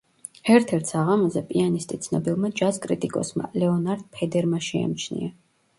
ერთ-ერთ საღამოზე პიანისტი ცნობილმა ჯაზ კრიტიკოსმა, ლეონარდ ფედერმა შეამჩნია.